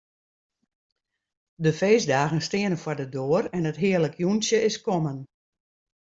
De feestdagen steane foar de doar en it hearlik jûntsje is kommen.